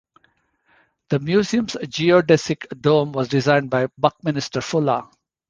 The museum's geodesic dome was designed by Buckminster Fuller.